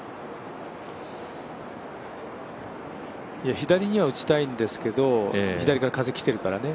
左には打ちたいんですけど、左から風来てるからね。